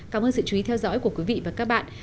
cảm ơn sự chú ý theo dõi của quý vị và các bạn